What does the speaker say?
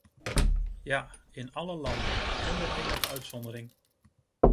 Ja, in alle landen, zonder enige uitzondering!